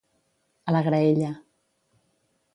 A la graella.